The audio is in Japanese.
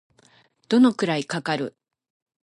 どのくらいかかる